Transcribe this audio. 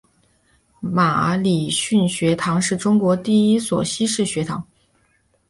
马礼逊学堂是中国第一所西式学堂。